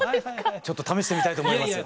ちょっと試してみたいと思います。